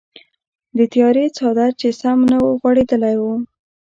د تیارې څادر چې سم نه وغوړیدلی و.